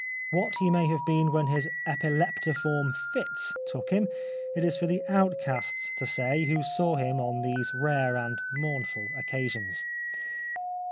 What he may have been when his epileptiform fits took him it is for the outcasts to say who saw him on these rare and mournful occasions.